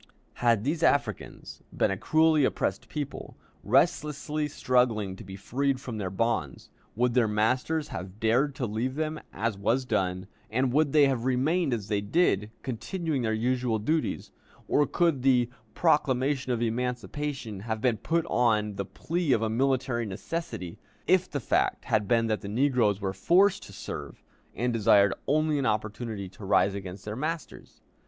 Had these Africans been a cruelly oppressed people, restlessly struggling to be freed from their bonds, would their masters have dared to leave them, as was done, and would they have remained as they did, continuing their usual duties, or could the proclamation of emancipation have been put on the plea of a military necessity, if the fact had been that the negroes were forced to serve, and desired only an opportunity to rise against their masters?